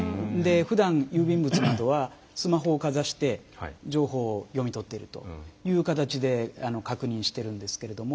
ふだん郵便物などはスマホをかざして情報を読み取っているという形で確認してるんですけれども。